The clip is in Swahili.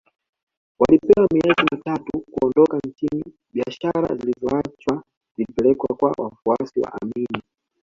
Walipewa miezi mitatu kuondoka nchini biashara zilizoachwa zilipelekwa kwa wafuasi wa Amin